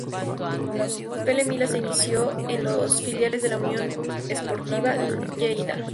Pere Milla se inició en los filiales de la Unió Esportiva Lleida.